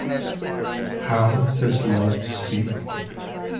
How does Love speak?